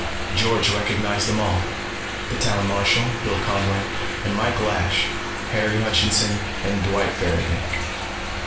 George recognized them all. The town marshal, Bill Conway, and Mike Lash, Harry Hutchinson, and Dwight Farrigon.